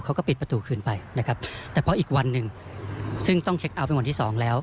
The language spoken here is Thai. เขาก็ปิดประตูคืนไปนะครับแต่พออีกวันหนึ่งซึ่งต้องเช็คเอาท์เป็นวันที่สองแล้ว